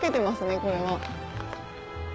これは。